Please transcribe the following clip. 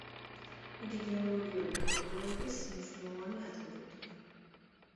იგი გეოლოგიური გამოკვლევების მნიშვნელოვანი ატრიბუტია.